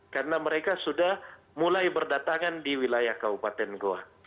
karena mereka sudah mulai berdatangan di wilayah kabupaten goa